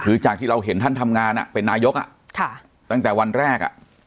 คือจากที่เราเห็นท่านทำงานเป็นนายกตั้งแต่วันแรก